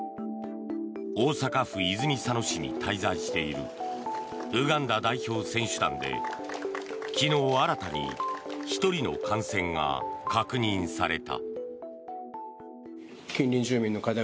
大阪府泉佐野市に滞在しているウガンダ代表選手団で、昨日新たに１人の感染が確認された。